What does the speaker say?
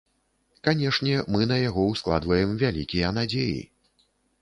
Канешне, мы на яго ўскладваем вялікія надзеі.